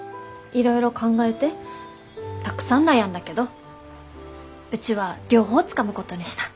いろいろ考えてたくさん悩んだけどうちは両方つかむことにした。